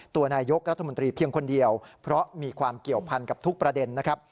นายกรัฐมนตรีเพียงคนเดียวเพราะมีความเกี่ยวพันกับทุกประเด็นนะครับ